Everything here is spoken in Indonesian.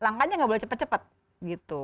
langkahnya nggak boleh cepat cepat gitu